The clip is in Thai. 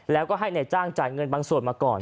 แล้วก็ให้นายจ้างจ่ายเงินบางส่วนมาก่อน